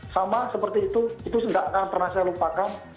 sama seperti itu itu tidak akan pernah saya lupakan